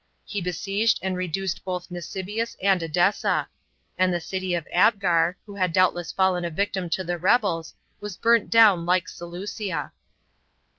He besieged and reduced both Nisibis and Edessa; and the city of Abgar, who had doubtless fallen a victim to the rebels, was burnt down like Seleucia.